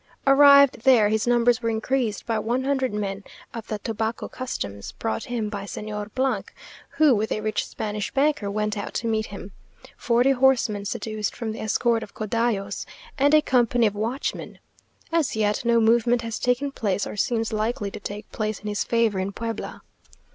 Arrived there, his numbers were increased by one hundred men of the Tobacco customs, (brought him by Señor , who, with a rich Spanish banker went out to meet him,) forty horsemen seduced from the escort of Codallos, and a company of watchmen! As yet, no movement has taken place or seems likely to take place in his favour in Puebla.